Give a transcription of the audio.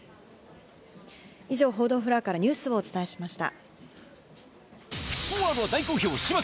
以上、報道フロアからニュースをお伝えしました。